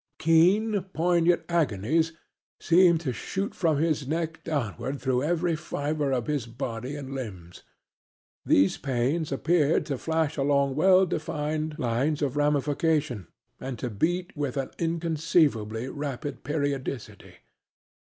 Keen, poignant agonies seemed to shoot from his neck downward through every fibre of his body and limbs. These pains appeared to flash along well defined lines of ramification and to beat with an inconceivably rapid periodicity.